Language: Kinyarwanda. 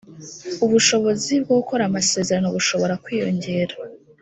ubushobozi bwo gukora amasezerano bushobora kwiyongera